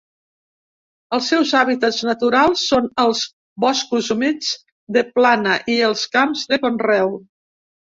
Els seus hàbitats naturals són els boscos humits de plana i els camps de conreu.